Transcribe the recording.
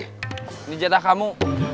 ini jadah kamu